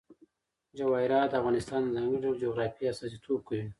جواهرات د افغانستان د ځانګړي ډول جغرافیه استازیتوب کوي.